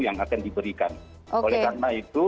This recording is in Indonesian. yang akan diberikan oleh karena itu